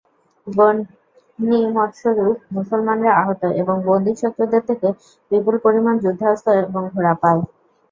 গনিমতস্বরূপ মুসলমানরা আহত এবং বন্দি শত্রুদের থেকে বিপুল পরিমাণ যুদ্ধাস্ত্র এবং ঘোড়া পায়।